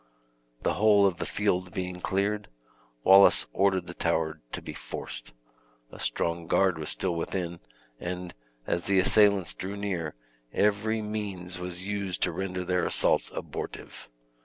The whole of the field being cleared, Wallace ordered the tower to be forced. A strong guard was still within, and, as the assailants drew near, every means was used to render their assaults abortive.